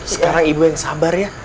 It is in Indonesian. sekarang ibu yang sabar ya